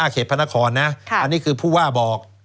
เขตพระนครนะอันนี้คือผู้ว่าบอก